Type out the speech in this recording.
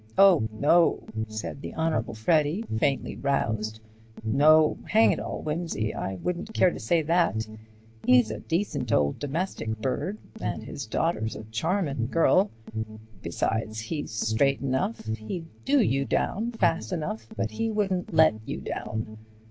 "Oh, no," said the Honourable Freddy, faintly roused; "no, hang it all, Wimsey, I wouldn't care to say that. He's a decent old domestic bird, and his daughter's a charmin' girl. Besides, he's straight enough—he'd do you down fast enough, but he wouldn't let you down.